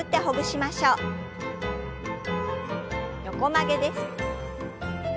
横曲げです。